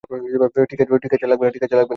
ঠিক আছে, লাগবে না।